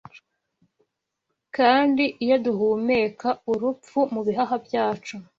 Kandi, iyo duhumeka, Urupfu mu bihaha byacu